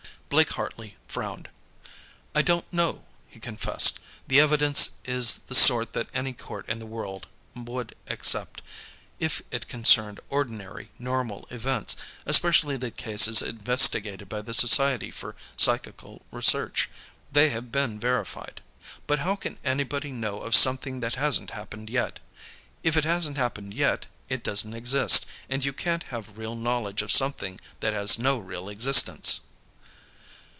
Blake Hartley frowned. "I don't know," he confessed. "The evidence is the sort that any court in the world would accept, if it concerned ordinary, normal events. Especially the cases investigated by the Society for Psychical Research: they have been verified. But how can anybody know of something that hasn't happened yet? If it hasn't happened yet, it doesn't exist, and you can't have real knowledge of something that has no real existence."